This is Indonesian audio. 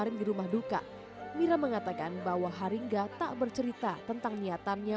sering di rumah duka mira mengatakan bahwa haringga tak bercerita tentang niatannya